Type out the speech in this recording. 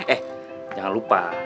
eh jangan lupa